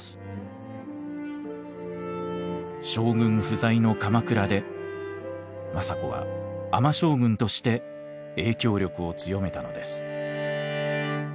将軍不在の鎌倉で政子は尼将軍として影響力を強めたのです。